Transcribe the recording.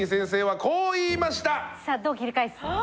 さあどう切り返す？